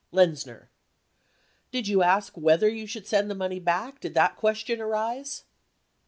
Lexzxf.i;. Diet you ask whether you should send the money back, did that question arise